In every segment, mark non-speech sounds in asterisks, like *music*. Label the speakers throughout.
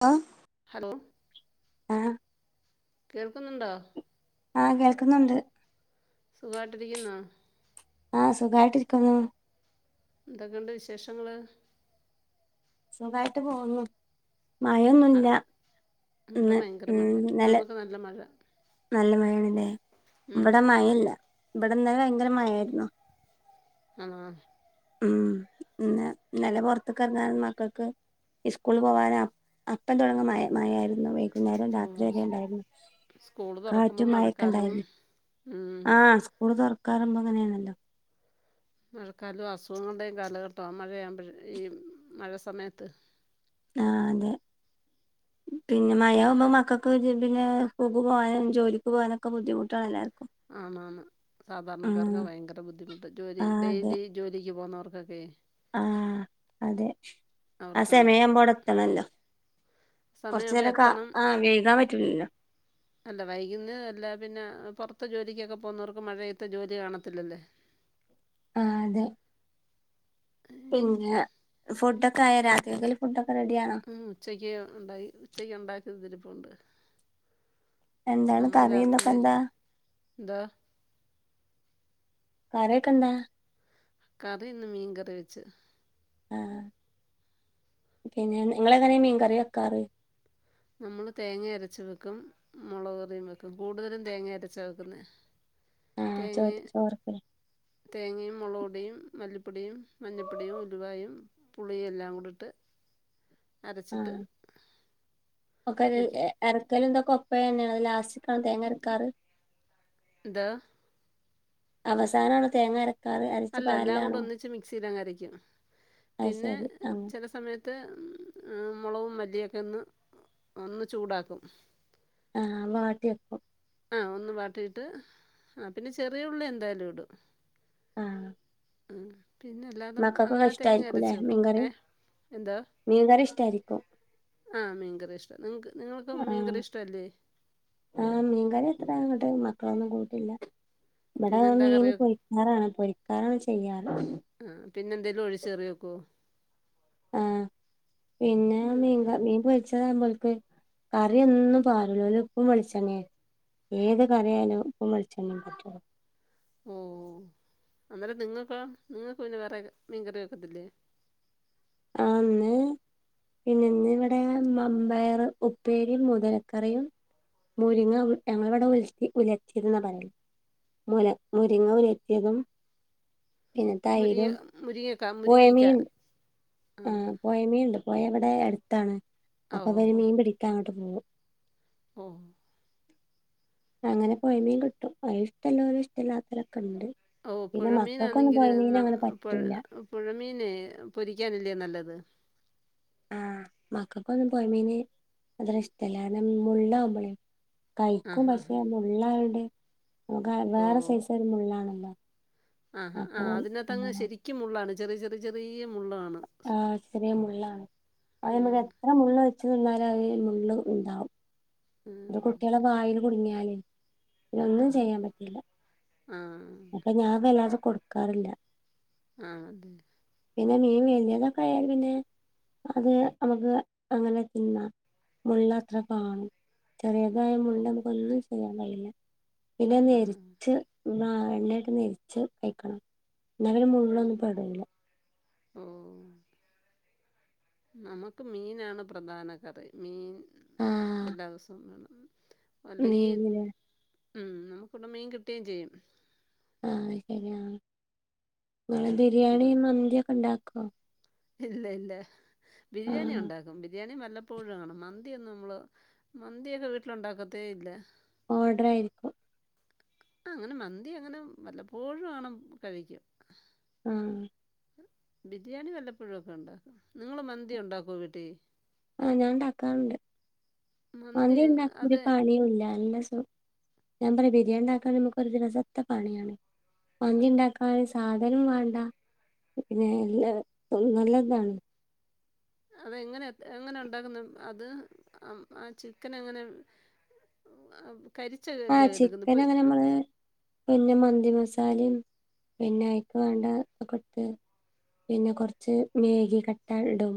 Speaker 1: ആ
Speaker 2: ഹലോ
Speaker 1: ആ
Speaker 2: കേൾക്കുന്നുണ്ടോ?
Speaker 1: ആഹ് കേൾക്കുന്നുണ്ട്.
Speaker 2: സുഖായ്ട്ടിരിക്കുന്നോ?
Speaker 1: ആഹ് സുഖയിട്ടിരിക്കുന്നു.
Speaker 2: എന്തൊക്കെണ്ട് വിശേഷങ്ങള്?
Speaker 1: സുഖായിട്ട് പോന്നു മഴൊന്നുല്ല.
Speaker 2: ഇവിടെ
Speaker 1: ഇന്ന്
Speaker 2: ഭയങ്കര മഴ
Speaker 1: ഉം ന്നലെ
Speaker 2: നമുക്ക് നല്ല മഴ
Speaker 1: നല്ല മഴാണ് ലെ.
Speaker 2: ഉം.
Speaker 1: ഇവടെ മഴല്ല ഇവിടെന്നലെ ഭയങ്കര മഴായിര്ന്നു.
Speaker 2: ആഹ്.
Speaker 1: ഉം പിന്ന ന്നലെ പൊർത്ത കറങ്ങാ മക്കക്ക് ഇസ്കൂള്ള് പോവാന അപ്പം തോടങ്ങും മയ മയായിരുന്നു വെയ്കു ന്നേരം
Speaker 2: ഓ
Speaker 1: രാത്രിവരേ ണ്ടായ്രുന്നു
Speaker 2: സ്കൂൾ
Speaker 1: കാറ്റു
Speaker 2: തുറക്കുമ്പോൾ മഴക്കാലവും
Speaker 1: മഴൊക്കെണ്ടായിരുന്നു.
Speaker 2: ഉം
Speaker 1: സ്കൂള് തോറക്കാ റുമ്പോ അങ്ങനെണല്ലോ?
Speaker 2: മഴക്കാലു അസുഖങ്ങളുടെയും കാലഘട്ടം മഴയാുമ്പോഴ ഈ മഴ സമയത്ത്
Speaker 1: ആ അതെ. പിന്നെ മയാമ്പോ മക്കക്ക് പിന്നെ സ്ക്കൂക്ക് പോകാനും ജോലിക്ക് പോകാനൊക്കെ ബുദ്ധിമുട്ടാണ് എല്ലാക്കും.
Speaker 2: ആന്ന് ആന്ന് സാധാരണക്കാർക്ക ഭയങ്കര ബുദ്ധിമുട്ട് ജോലി
Speaker 1: ആ അതെ
Speaker 2: ഡെയിലി ജോലിക്ക് പോന്നോർക്കൊക്കെ
Speaker 1: ആഹ് അതെ ആ
Speaker 2: അവർക്കാണ്
Speaker 1: സെമയാമ്പോടെ എത്തണല്ലോ.
Speaker 2: സമയമാകുമ്പോൾ
Speaker 1: കൊറച്ചരംക്ക
Speaker 2: എത്തണം
Speaker 1: ആഹ് വെയ്കാ പറ്റൂലല്ലോ.
Speaker 2: അല്ല വൈകുന്നേ അല്ല പിന്നെ പൊറത്ത് ജോലിക്കൊക്കെ പോകുന്നോർക്ക് മഴയത്ത് ജോലി കാണത്തില്ലല്ല്.
Speaker 1: ആഹ് അതെ പിന്നെ ഫുഡൊക്കെ ആയ രാത്രിക്കെക്ക്ല്ലേ ഫുഡൊക്കെ റെഡിയാണോ
Speaker 2: ഉം ഉച്ചയ്ക്ക് ഉണ്ടാക്ക ഉച്ചയ്ക്ക് ഉണ്ടാക്കിയതിരിപ്പുണ്ട്
Speaker 1: എന്താണ്
Speaker 2: നമ്മള്
Speaker 1: കറിന്നൊക്കെ
Speaker 2: രാത്രില്
Speaker 1: എന്താ
Speaker 2: എന്താ
Speaker 1: കറിക്കെ എന്താ
Speaker 2: കറി ഇന്ന് മീൻ കറി വെച്ച്
Speaker 1: ആഹ് പിന്നെ നിങ്ങള് എങ്ങനെ മീൻകറി വെക്കാറ്
Speaker 2: നമ്മള് തേങ്ങ അരച്ചു വെക്കും മുളകറിയും വെക്കും കൂട്തലും തേങ്ങ അരച്ച് വെക്ക്ന്നെ
Speaker 1: ആഹ് ചോ ചോറെക്കല്
Speaker 2: *unintelligible* തേങ്ങയും മുളക്പ്പൊടിയും മല്ലിപ്പൊടിയും മഞ്ഞപ്പൊടിയും ഉലുവായും പുളിയും എല്ലാം കൂടിട്ട്
Speaker 1: ആഹ് *unintelligible*
Speaker 2: വയ്ക്കും
Speaker 1: അരക്കലും ഇതൊക്കെ ഒപ്പഴന്നെയാണ് അത് ലാസ്റ്റിക്കാണോ തേങ്ങ അരക്കാറ്
Speaker 2: ന്താ
Speaker 1: അവസാനാണോ തേങ്ങ അര
Speaker 2: അല്ല എല്ലാ കൂടെ ഒന്നിച്ച് മിക്സില്ലങ്ങ് അരക്കും
Speaker 1: അത്
Speaker 2: പിന്നെ
Speaker 1: ശരി ആഹ്
Speaker 2: ചെല സമയ ത്ത് മൊളകും മല്ലിയൊക്കെ ഒന്ന് ഒന്ന് ചൂടാക്കും
Speaker 1: ആഹ് വാട്ടി വെക്കും
Speaker 2: ആഹ് ഒന്ന് വാട്ടിയിട്ട് ആ പിന്നെ ചെറിയ ഉള്ളി എന്തായാലും ഇടും
Speaker 1: ആഹ്
Speaker 2: ആഹ് പിന്നെ എല്ലാതെ
Speaker 1: മക്കക്കൊക്കെ
Speaker 2: അങ്ങനെ തേങ്ങ
Speaker 1: ഇഷ്ടായിരിക്കൂല്ലേ
Speaker 2: അരച്ചു വെ
Speaker 1: മീൻകറി
Speaker 2: ഏഹ് എന്താ
Speaker 1: മീൻകറി ഇഷ്ടായിരിക്കും
Speaker 2: ആഹ് മീൻകറിയാ ഇഷ്ട്ടം നിങ്ങക്ക് നിങ്ങൾക്ക്
Speaker 1: ആഹ്
Speaker 2: മീൻകറി ഇഷ്ട്ടവല്ലേ
Speaker 1: ആഹ് മീൻകറി അത്ര അങ്ങട്ട് മക്കളൊന്നും കൂട്ടില്ല ഇബടെ
Speaker 2: പിന്നെന്താ കറി
Speaker 1: മീന്
Speaker 2: വെ-
Speaker 1: പൊരിക്കാറാണ് പൊരിക്കാറാണ് ചെയ്യാറ്
Speaker 2: ആഹ് പിന്നെ എന്തേലും ഒഴ്ച്ച് കറി വെക്കോ
Speaker 1: ആഹ് പിന്നെ മീൻ ക മീൻ പൊരിച്ചതാവുമ്പോ ഓൽ ക്ക് കറി ഒന്നും പാരൂലാ ഓല് ഉപ്പും വെളിച്ചെണ്ണിയാ ഏത് കറി ആയാലും ഉപ്പും വെളിച്ചെണ്ണിം പറ്റൊള്ളൂ
Speaker 2: ഓഹ് അന്നേരം നിങ്ങക്കോ നിങ്ങക്ക് പിന്നെ വേറെ മീൻകറി വെക്കത്തില്ലേ
Speaker 1: ആഹ് ഇന്ന് പിന്നെ ഇന്നി ഇവിടെ മമ്പയറ് ഉപ്പേരിം മുതിരക്കറിയും മുരിങ്ങ ഞങ്ങള് ഇവടെ ഉൽത്തി ഉലർത്തിന്നാ പറയല് മുര മുരിങ്ങ ഉലത്തിയതും പിന്നെ
Speaker 2: മുരിങ്ങ
Speaker 1: തൈരും
Speaker 2: മുരിങ്ങക്ക മുരിങ്ങയ്ക്ക
Speaker 1: പൊയമീൻ
Speaker 2: ആ
Speaker 1: ആഹ് പൊയ മീൻണ്ട് പൊയ ഇവടെ അട്ത്താണ്
Speaker 2: ആ
Speaker 1: അപ്പൊ
Speaker 2: ഓ
Speaker 1: ഇവര് മീൻ പിടിക്കാൻ അങ്ങട്ട് പോവും
Speaker 2: ഓഹ്
Speaker 1: അങ്ങനെ പൊയ്മീൻ കിട്ടും അഹ് ഇഷ്ട്ടല്ലോലും ഇഷ്ട്ടല്ലാത്തോരൊക്കെ ഇണ്ട്
Speaker 2: ഓഹ് പൊഴമീനാന്നെങ്കില് *unintelligible*
Speaker 1: പറ്റൂല
Speaker 2: പൊഴമീനെ പൊരിക്കാനല്ലേ നല്ലത്
Speaker 1: ആഹ് മക്കക്കൊന്നും പോയമീന് അത്ര ഇഷ്ട്ടല്ല കാര്ണം മുള്ളാവ്മ്പളേ
Speaker 2: ആ
Speaker 1: കയ്ക്കും
Speaker 2: ഹാ ഹാ
Speaker 1: പക്ഷെ മുള്ള് ആയോണ്ട് *unintelligible*
Speaker 2: ഓ
Speaker 1: വേറെ സൈസ് ഒര് മുള്ളാണല്ലോ
Speaker 2: ആഹാ
Speaker 1: അപ്പൊ
Speaker 2: ആഹ്
Speaker 1: ആഹ്
Speaker 2: അതിനകത്തങ്ങ് ശരിക്കും മുള്ളാണ് ചെറിയ ചെറ ചെറി ചെറിയ മുള്ളാണ്
Speaker 1: ആഹ്
Speaker 2: ആഹ്
Speaker 1: അത്ര മുള്ള് വെച്ച് തിന്നാലും അയ്ല് മുള്ള് ഇണ്ടാവും
Speaker 2: ആ.
Speaker 1: അത് കുട്ട്യാളെ വായേല് കുട്ങ്ങിയാലെ പിന്നൊന്നും
Speaker 2: ഓഹോ!
Speaker 1: ചെയ്യാൻ പറ്റില്ല
Speaker 2: ആ.
Speaker 1: അപ്പൊ ഞാൻ വല്ലാതെ കൊട്ക്കാറില്ല
Speaker 2: ആഹ് അതെ
Speaker 1: പിന്നെ മീൻ വെല്യതൊക്കെ ആയാല് പിന്നെ അത് അമ്മക്ക് അങ്ങനെ തിന്നാ മുള്ള് അത്രേ കാണു ചെറിയതായ
Speaker 2: ഓ!
Speaker 1: മുള്ള് അമ്മക്കൊന്നും ചെയ്യാൻ കയ്യൂലാ
Speaker 2: ആ.
Speaker 1: പിന്നെ നെരിച്ച് എണ്ണ ആട്ട് നെരിച്ച് കഴിക്കണം എന്നാ പിന്നെ മുള്ളൊന്നും പെടുല്ല
Speaker 2: ഓ നമുക്ക് മീനാണ് പ്രധാന കറി മീൻ
Speaker 1: ആഹ്
Speaker 2: എല്ലാ ദിവസവും വേണം അല്ലെങ്കി
Speaker 1: മീനില്
Speaker 2: ഉം നമുക്ക് ഇവിടെ മീൻ കിട്ടുകയും ചെയ്യും
Speaker 1: ആഹ് ശരിയാ നിങ്ങളെ
Speaker 2: നമുക്ക്
Speaker 1: ബിരിയാണി മന്തിഒക്കെ ഉണ്ടാക്കോ
Speaker 2: ഇല്ല ഇല്ല ബിരിയാണി
Speaker 1: ആഹ്
Speaker 2: ഉണ്ടാക്കും ബിരിയാണി വല്ല പ്പോഴുംആണ് മന്തി ഒന്നും നമ്മള് മന്തിഒക്കെ വീട്ടില് ഉണ്ടാക്കത്തേ ഇല്ല
Speaker 1: ഓർഡർ ആയിരിക്കും
Speaker 2: ആഹ് അങ്ങനെ മന്തി അങ്ങനെ വല്ലപ്പോഴും ആണം കഴിക്കും
Speaker 1: ആഹ്
Speaker 2: ബിരിയാണി വല്ലപ്പോഴുംഒക്കെ ഉണ്ടാക്കും നിങ്ങൾ മന്തി ഉണ്ടാക്കോ വീട്ടി
Speaker 1: ആഹ് ഞാൻണ്ടാക്കാറുണ്ട്
Speaker 2: മന്തി
Speaker 1: മൻതി ഉണ്ടാക്ക
Speaker 2: അത്
Speaker 1: ഒരു പണിയം ഇല്ല നല്ലസുഖ ഞാൻ പറയാം ബിരിയാണി ആക്കണ നമുക്ക് ഒരു ദിവസത്തെ പണിയാണ് മന്തി ഉണ്ടാക്കാ സാധനം വേണ്ട പിന്നെ എല്ല നല്ലതാണ്
Speaker 2: അതെങ്ങനെ എങ്ങനെ ഉണ്ടാക്കുന്നു അത് ആ ചിക്കൻ എങ്ങനെ കരിച്ച
Speaker 1: ആഹ്
Speaker 2: എല്ല എടുക്കുന്നു ഇപ്പെ
Speaker 1: ചിക്കൻ അങ്ങനെ നമ്മള് പിന്നെ മന്തി മസാലയും പിന്നെ അയ്ക്ക് വേണ്ട ഒ കൊടുത്ത് പിന്നെ കുറച്ച് മേഗി കട്ടാ ഇടും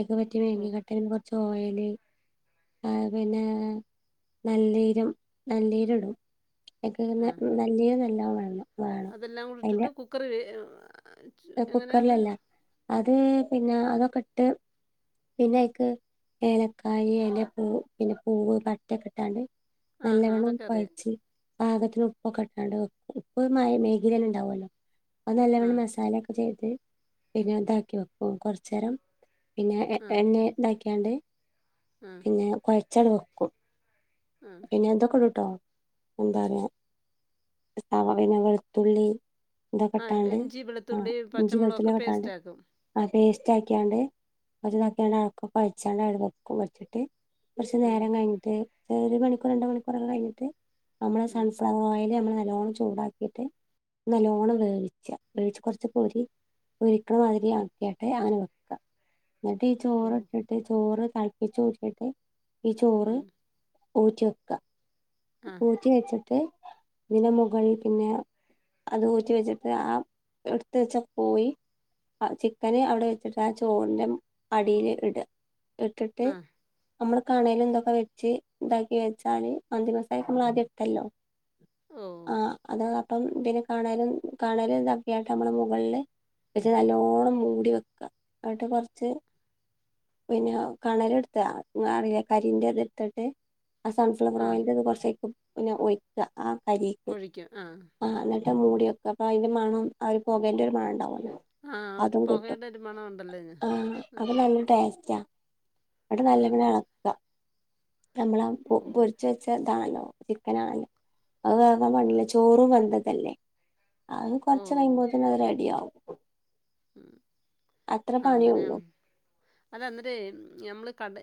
Speaker 1: ഒക്കെ കുത്തി
Speaker 2: ഓ
Speaker 1: മേങ്ങ കട്ടന് കുറച്ച് ഓയിൽ പിന്നെ നല്ലീരം നല്ലീരി ഇടും ഒക്കെെ
Speaker 2: ആ
Speaker 1: നല്ലീരു നല്ല വേ വേണം അതിന്റെ
Speaker 2: കുക്കറി
Speaker 1: കുക്കറിലല്ല അത് പിന്നെ അതൊക്കെ ഇട്ട് പിന്നെ അയ്ക്ക് ഏലക്കായ ഏലപ്പൂ പിന്നെ പൂവ് പട്ടക്കെ ഇട്ടാണ്ട്
Speaker 2: ആ ആ,
Speaker 1: നല്ലവണ്ണം
Speaker 2: അതൊക്കെ അറിയാം
Speaker 1: കൊയ്ച്ച് പാകത്തിന് ഉപ്പൊക്കെ ഇട്ടാണ്ട് ഉപ്പ് മ മാഗില് തന്ന ഉണ്ടാവുമല്ലോ അത്
Speaker 2: ആ
Speaker 1: നല്ലവണ് മസ ലൊക്കെ ചെയ്ത് പിന്നെ ഇതാക്കി വെക്കും കുറച്ച നേരം പിന്നെ
Speaker 2: ആ
Speaker 1: എണ്ണ ഇണ്ടാക്കിയാണ്ട്
Speaker 2: ആ
Speaker 1: പിന്നെ കുഴച്ച്ങ്ങ് വെക്കും
Speaker 2: ആഹ്
Speaker 1: ന്തൊക്കെടുട്ടോ എന്താ പറയാ സവാള വെളുത്തുള്ളി ഇതൊ
Speaker 2: ആ
Speaker 1: കെട്ടാണ്ട്
Speaker 2: ഇഞ്ചി
Speaker 1: ആ
Speaker 2: വെളുത്തുള്ളി
Speaker 1: ഇഞ്ചി
Speaker 2: പച്ചമുളകൊക്കെ
Speaker 1: വെളളുത്തുളളി ഇട്ടാണ്ട്
Speaker 2: പേസ്റ്റ് ആക്കും
Speaker 1: ആ പേസ്റ്റ് ആക്കിയാണ്ട് കുതാക്കണ്ട് അക്കൊ കഴിച്ചാണ്ട് അഴ വെക്കും ഒഴിച്ചിട്ട് കുറച്ച്
Speaker 2: ഉം,
Speaker 1: നേരം കഴിഞ്ഞട്ട് ഒരു മണിക്കൂർ രണ്ട് മണിക്കൂറൊക്കെ കഴിഞ്ഞിട്ട് നമ്മള്
Speaker 2: ഉം.
Speaker 1: സൺഫ്ലവർ ഓയില് നമ്മള് നല്ലവണ്ണം ചൂടാക്കിയിട്ട് നല്ലോണം വേവിച്ച വേവിച്ച കുറച്ച പൊരി പൊരിക്കുന്ന മാതിരി ആക്കിയായിട്ട് അങ്ങനെ വെക്കുക എന്നിട്ട് ഈ ചോറ്
Speaker 2: ഓ
Speaker 1: ഇട്ടിട്ട് ചോറ് തളപ്പിച്ച് ഊറ്റിട്ട് ഈ ചോറ്
Speaker 2: ഉം.
Speaker 1: ഊറ്റി വെക്ക
Speaker 2: ആ
Speaker 1: ഊറ്റി വെച്ചിട്ട് ഇതിന് മുകളിൽ പിന്നെ അത് ഊറ്റ വെച്ചിട്ട് ആ എടുത്ത് വെച്ച കോയി ചിക്കന് അവിടെ വെച്ചിട്ട് ആ ചോറിന്റെ അടിയിൽ ഇടുക ഇട്ടിട്ട്
Speaker 2: ആ
Speaker 1: നമ്മുടെ കണേൽ എന്തൊക്കെ വെച്ച് ഇണ്ടാക്കി വെച്ചാല് മന്തിമസമാല നമ്മൾ ആദ്യം ഇട്ടല്ലോ
Speaker 2: ഓ
Speaker 1: ആ അത ഇപ്പം ഇതിനെ കാണനും കാണലുംക്കെയാട്ട് നമ്മുടെ മുകളില് വെച്ച് നല്ലോണ്ണം മൂടി വെക്കുക എന്നിട്ട് കുറച്ച് പിന്നെ കണേല എടുത്ത കരീന്റെ ഇത് എടുത്തിട്ട് ആ സൺഫ്ലവർ
Speaker 2: ആ
Speaker 1: ഓയിൽന്റെ ഇത് കൊർച്ചയ്ക്കും പിന്നെ ഒഴിക്കാ ആഹ് കരി
Speaker 2: ക്കൊഴിക്ക ആഹ്
Speaker 1: ആഹ് ഇന്നട്ട് അഹ് മൂടിവെക്ക അപ്പൊ അയ്ന്റെ മണം ആ ഒര് പൊകേന്റെ ഒരു മണണ്ടാവൊല്ലോ
Speaker 2: ആ ഒരു
Speaker 1: അതും കിട്ടും
Speaker 2: പുകയുടെ ഒരു മണം ഉണ്ടല്ലോ ഇതിന്.
Speaker 1: ആഹ്
Speaker 2: ആ
Speaker 1: അപ്പ നല്ലൊരു ടേസ്റ്റാ ന്നട്ട്
Speaker 2: ആ
Speaker 1: നല്ലപോലെ എള ക്ക ഞമ്മളഹ് പൊ
Speaker 2: ഓ
Speaker 1: പൊരിച്ച് വെച്ചതാണല്ലോ ചിക്കനാണല്ലോ അത് വേകാം പണില്ല ചോറും വെന്തതല്ലേ അത്
Speaker 2: ഓ
Speaker 1: കൊർച്ചെ കയ്യുമ്പോത്തിന് അഹ് റെഡിയാവും
Speaker 2: ഉം
Speaker 1: അത്ര പണിയുള്ളൂ
Speaker 2: അങ്ങനേണ് അല്ല അന്നേരേ നമ്മൾ കടെ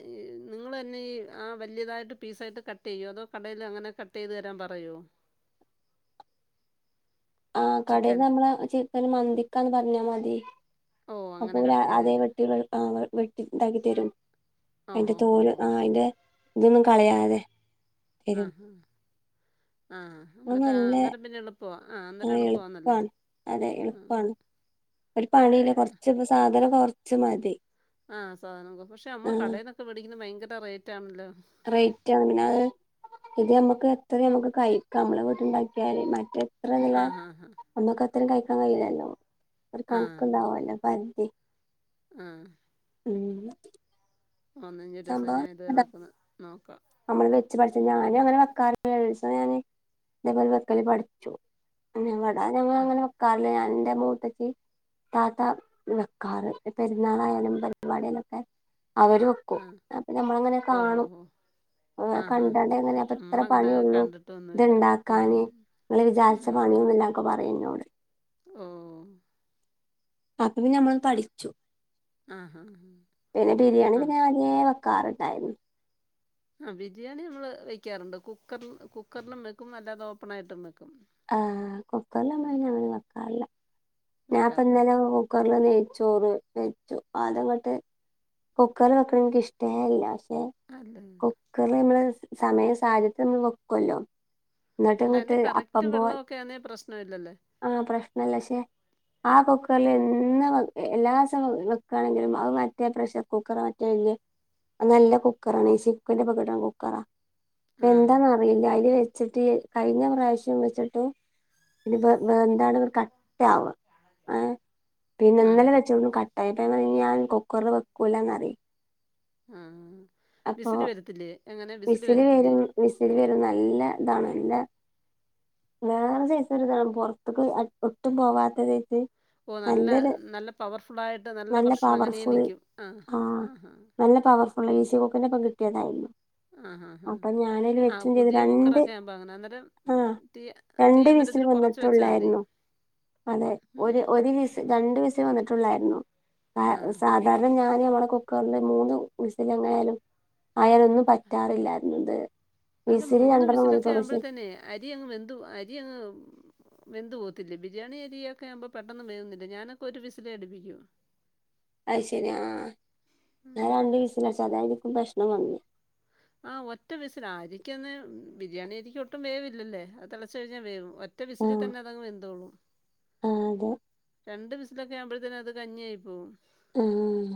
Speaker 2: നിങ്ങള് തന്നെ ഈ ആ വല്ല്യതായിട്ട് പീസായിട്ട് കട്ട ട്ടെയ്യോ അതോ കടേല് അങ്ങനെ കട്ട് ചെയ്ത് തരാൻ പറയോ.
Speaker 1: ആഹ്
Speaker 2: ചിക്കൻ?
Speaker 1: കടേന്ന് നമ്മളെ ചിക്കന് മന്തിക്കാന്ന് പർഞ്ഞാ മതി.
Speaker 2: ഓ!
Speaker 1: അപ്പൊ
Speaker 2: അങ്ങനെ
Speaker 1: ഓല് ആ
Speaker 2: കട്ട് ചെയ്ത്
Speaker 1: അതേ
Speaker 2: തരും.
Speaker 1: വെട്ടിള്ളൊരു ആഹ് ഒര് വെട്ടി ഇണ്ടാക്കിത്തെരും.
Speaker 2: ഓ!
Speaker 1: അയ്ന്റെ
Speaker 2: ഹോ! ഹോ!
Speaker 1: തോല്
Speaker 2: ഹോ!
Speaker 1: ആഹ് അയ്ന്റെ ഇതൊന്നും കളയാതെ. തരും
Speaker 2: ആഹ് ഹ് ആഹ്
Speaker 1: അത്
Speaker 2: ഇന്നട്ട് ആഹ്
Speaker 1: നല്ല
Speaker 2: ഇന്നട്ട് പിന്നെ എള്പ്പ പ്പവാ ആഹ് അന്നേരം എള്പ്പവാന്നല്ലേ
Speaker 1: എളുപ്പാണ് അതെ
Speaker 2: ആഹ്
Speaker 1: എളുപ്പാണ്
Speaker 2: ആഹ്
Speaker 1: ഒരു പണിയില്ല കൊർച്ചൊക്കെ സാധനം കൊർച്ച് മതി.
Speaker 2: ആഹ് സാധനം പക്ഷെ നമ്മള്
Speaker 1: ആഹ്
Speaker 2: കടേന്നൊക്കെ മേടിക്കുന്ന ഭയങ്കര റേറ്റ് ആണല്ലോ.
Speaker 1: റെയ്റ്റാണ് പിന്നെ അഹ് ഇത് ഞമ്മക്ക് എത്രിം നമ്മുക്ക് കഴിക്കാം നമ്മളെ വീട്ട്ല്ണ്ടാക്കിയാല് മറ്റേ എത്രെന്നില്ലെ
Speaker 2: ആഹാഹാ!
Speaker 1: ഒന്നൊക്ക എത്രിം കഴിക്കാൻ കഴിയില്ലല്ലോ. ഒര്
Speaker 2: ആ, ഹാ
Speaker 1: കണക്ക് ഇണ്ടാവൊല്ലോ പര്തി
Speaker 2: ആഹ്.
Speaker 1: ഉം.
Speaker 2: ആഹ് ന്നാ ഇഞ് ഒരൂസം ഞാ
Speaker 1: സംഭവം
Speaker 2: ഇതേമാര്ക്കൊന്ന് നോക്ക
Speaker 1: നമ്മള് വെച്ച് പഠിച്ചനം ഞാനും അങ്ങനെ വെക്കാ നൊരുസം ഞാന് ഇതേപോലെ വെക്കല് പഠിച്ചു അന്ന് ഞാ ഞാന് ഇപ്പൊ
Speaker 2: ആ,
Speaker 1: ഇങ്ങനെ വെക്കാറില്ല ഞാ ഇന്റെ മൂത്തച്ചി ത്താത്ത വെക്കാറ് പെരുന്നാളായാലും പരിപാടിആയാലൊക്കെ അവര് വെ
Speaker 2: ആ.
Speaker 1: ക്കും അപ്പഞമ്മള് അങ്ങനെ
Speaker 2: ഓ! ഹോ!
Speaker 1: കാണും.
Speaker 2: ഹോ!
Speaker 1: ഇങ്ങനെ
Speaker 2: ആഹാഹാ!
Speaker 1: കണ്ടാണ്ട് ഇങ്ങനെ അപ്പ ഇത്ര
Speaker 2: നമ്മളങ്ങനെ
Speaker 1: പണിയൊള്ളൂ
Speaker 2: കണ്ടിട്ടൊന്നുമില്ല. ഉം.
Speaker 1: ഇത്ഇണ്ടാക്കാന് ങ്ങള് വിചാരിച്ച പണി ഒന്നുല്ലാന്നൊക്കെ പറയും ഇഞ്ഞോട്
Speaker 2: ങ്ങ്ആഹ്
Speaker 1: അപ്പ പിന്നെ ഞമ്മളൊന്ന് പഠിച്ചു
Speaker 2: ആഹ് ഹാ ഹാ
Speaker 1: പിന്നെ ബിരിയാണി
Speaker 2: ആഹ്
Speaker 1: പിന്നെ ന്നെ ഞാവെക്കാറ് ഇണ്ടായ്ര്ന്നു
Speaker 2: ആഹ് ബിരിയാണി നമ്മള് വെക്ക്യാറുണ്ട് കുക്കർ കുക്കറിർലും വെക്കും അല്ലാതെ ഓപ്പൺ ആയിട്ടും വെക്കും.
Speaker 1: ആഹ് കുക്കർല് ഞമ്മൾ
Speaker 2: ഉം
Speaker 1: അയ്ന് അങ്ങനെ വെക്കാറില്ല. ഞാൻപ്പ
Speaker 2: വെക്കാറുണ്ട്
Speaker 1: ഇന്നലെ ഒന്ന് കുക്കർല് നെയ്ച്ചോറ് വെച്ചു അത്ങ്ങട്ട് കുക്കർല് വെക്ക്ണെ ഇൻക്ക് ഇഷ്ടേല്ല പക്ഷെ.
Speaker 2: അല്ല
Speaker 1: ക്കുക്കർല് നമ്മള് സ് സമയം സാഹചര്യത്തിൽ നമ്മള് വെക്കൊല്ലോ.
Speaker 2: അല്ല അയ്‌ന്റെ കറക്റ്റ് വെള്ളവൊക്കെയാന്നേ പ്രശ്ന ഇല്ലല്ലേ.
Speaker 1: ആഹ് പ്രശ്നല്ല പക്ഷെ. ആ കുക്കർല് എന്നും വെ എല്ലാസം വെക്കാണെങ്കിലും അഹ് മറ്റേ പ്രഷർ കുക്കറ് മറ്റേഹ് വെല്ല്യെ അഹ് നല്ല കുക്കറാണെയ് ഇസി കുക്ക്ന്റെപ്പം കിട്ട്ണ കുക്കറാ
Speaker 2: ആഹ്
Speaker 1: എന്താണ് അ അറിയില്ല അയ്ല് വെച്ച്ട്ട് കഴിഞ്ഞ പ്രാവശ്യം വെച്ച്ട്ട് പിന്നെ വെ വെന്താണ്ട് ഇങ്ങട്ട് ക ട്ടാവാ ഏഹ് പിന്നെ
Speaker 2: ആഹ്
Speaker 1: ഇന്നലെ വെ തും കട്ടായി ന്നട്ട് ഞാൻ പറയും ഇഞ് ഞാൻ കുക്കർല് വെക്കൂലാന്ന് പറയും
Speaker 2: ആഹ് വിസില് വരത്തില്ലേ എങ്ങനെ വിസില് വരത്തില്ലേ.
Speaker 1: വിസില് വരും നല്ല ഇതാണ് നല്ല വേറെ സെയ്സ ഒരുതാണ് പോറത്ത്ക്ക് ഒട്ടും പോവാത്ത സെയ്‌സ്.
Speaker 2: ഓഹ് നല്ല നല്ല പവർഫുള്ളായിട്ട് നല്ല പ്രശറ് അങ്ങനെ നിൽക്കും അഹ്
Speaker 1: ആഹ്
Speaker 2: ആഹാ.
Speaker 1: നല്ല പവ ഫുള്ള ഇസി കുക്കിന്റപ്പം കിട്ടിയതായിര്ന്നു
Speaker 2: അഹ് ഹ ഹ ആഹ് പുതിയ
Speaker 1: രണ്ട്
Speaker 2: കുക്കറൊക്കെ ആകുമ്പോ അങ്ങനെ അന്നേരം.
Speaker 1: ആഹ്
Speaker 2: തീ തീ
Speaker 1: രണ്ട്
Speaker 2: എന്നിട്ട്
Speaker 1: വിസിൽ
Speaker 2: ഇതില് കൊറച് വെച്ചാൽ മതി.
Speaker 1: വന്നിട്ടുള്ളായിരുന്നു അതെ ഒരു ഒരു വിസ് രണ്ട് വിസ് വന്നിട്ടുള്ളായിരുന്നു.
Speaker 2: ആഹ്
Speaker 1: കാരണം ഞാന് നമ്മടെ കുക്കറില് മൂന്ന് വിസില് എങ്ങാനായാലും. അയാലൊന്നും പറ്റാറില്ലായിരുന്നു ഇത്
Speaker 2: അല്ല
Speaker 1: വിസില്
Speaker 2: മൂന്ന്
Speaker 1: രണ്ടെണ്ണം
Speaker 2: വിസിലൊക്കെ
Speaker 1: വന്നിട്ടുള്ളൂ പക്ഷെ
Speaker 2: ആവുമ്പോഴത്തേനെ അരി അങ്ങ് വെന്ത്‌ അരി അങ്ങ് വെന്തു പോവത്തില്ലേ ബിരിയാണി അരിയൊക്കെ ആവുമ്പ പെട്ടെന്ന് വേവുന്നില്ലേ ഞാനൊക്കെ ഒരു വിസിലെ അടുപ്പിക്കു
Speaker 1: അത്ശരി ആഹ്
Speaker 2: ഉം.
Speaker 1: ഞാൻ രണ്ട്
Speaker 2: മു
Speaker 1: വിസിലടിച്ച് അതായിരിക്കും പ്രശ്‌നം വന്ന്
Speaker 2: ആഹ് ഒറ്റ വിസല അരിക്കൊന്ന് ബിരിയാണി അരിക്ക് ഒട്ടും വേവില്ലല്ലേ അത് തെളച്ച്കഴിഞ്ഞാ വേവും ഒറ്റ
Speaker 1: ആ
Speaker 2: വിസില് തന്നെ അതങ് വെന്തോള്ളൂ
Speaker 1: *unintelligible*
Speaker 2: രണ്ട് വിസിലൊക്കെ ആവുമ്പഴത്തേനും അത് കഞ്ഞി ആയി പോവും
Speaker 1: ആഹ്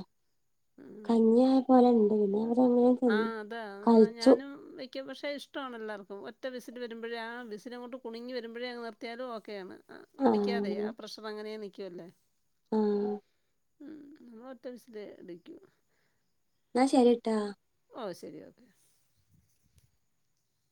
Speaker 1: കഞ്ഞിയായി പോവലിണ്ട് പിന്നെ അവരങ്ങനെ തിന്നു
Speaker 2: ആഹ് അതാ എന്ന
Speaker 1: കഴിച്ചു
Speaker 2: ഞാനും വെ ക്കും പക്ഷെ ഇഷ്ടാണ് എല്ലാർക്കും ഒറ്റ വിസിൽ വരുമ്പഴേ ആഹ് വിസിലങ്ങോട്ട് കുണുങ്ങി വരുമ്പോഴേങ്ങ് നിത്തിയാലും ഓക്കെയാണ് ആഹ്
Speaker 1: ആ
Speaker 2: അടിക്കാതെ ആഹ് പ്രഷർ അങ്ങനെ നിക്കുവല്ലേ
Speaker 1: *unintelligible*
Speaker 2: ഉം ഒറ്റ വിസിലെ അടിക്കു
Speaker 1: ന്ന ശരിട്ടാ.
Speaker 2: ഓഹ് ശരി ഓക്കെ